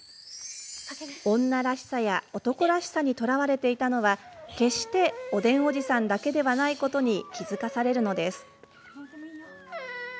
女らしさや男らしさにとらわれていたのは決して「おでんおじさん」だけではないことに気付かされるのです。